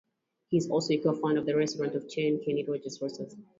He is also a co-founder of the restaurant chain Kenny Rogers Roasters.